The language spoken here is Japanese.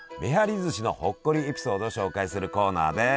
ずしのほっこりエピソードを紹介するコーナーです！